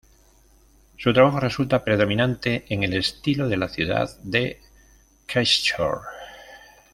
Su trabajo resulta predominante en el estilo de la ciudad de Christchurch.